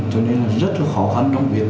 cho nên là rất là khó khăn trong việc